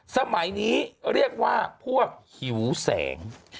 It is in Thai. สมัยนี้เรียกว่าพวกหิวแสง